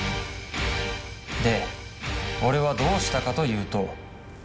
で俺はどうしたかというと。